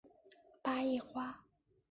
八叶瓜